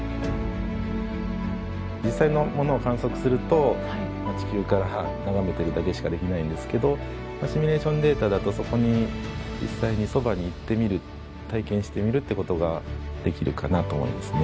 実際のものを観測すると地球から眺めてるだけしかできないんですけどシミュレーションデータだとそこに実際にそばに行ってみる体験してみるってことができるかなと思いますね。